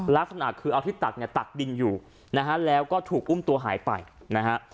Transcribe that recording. ลักษณะคือเอาที่ตักเนี่ยตักดินอยู่นะฮะแล้วก็ถูกอุ้มตัวหายไปนะฮะ